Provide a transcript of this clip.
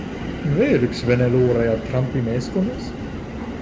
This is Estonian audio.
Veel üks Vene luuraja Trumpi meeskonnas?